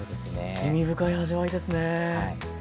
滋味深い味わいですね。